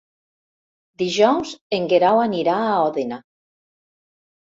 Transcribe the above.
Dijous en Guerau anirà a Òdena.